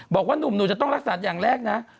หนุ่มหนูจะต้องรักษาอย่างแรกนะ